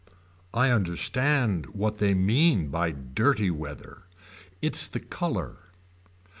I understand what they mean by dirty weather. It's the color.